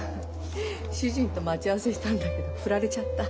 主人と待ち合わせしたんだけど振られちゃった。